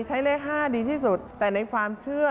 เลข๕ดีที่สุดแต่ในความเชื่อ